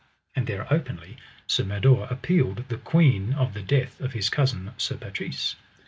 And there openly Sir Mador appealed the queen of the death of his cousin, Sir Patrise.